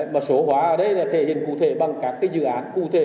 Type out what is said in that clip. mà số hóa ở đây là thể hiện cụ thể bằng các dự án cụ thể